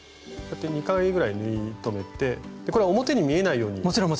こうやって２回ぐらい縫い留めてこれは表に見えないように。